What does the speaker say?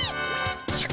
シャク。